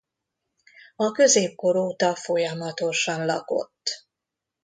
A középkor óta folyamatosan lakott.